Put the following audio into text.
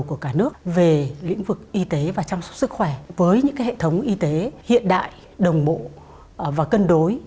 của cả nước về lĩnh vực y tế và chăm sóc sức khỏe với những hệ thống y tế hiện đại đồng bộ và cân đối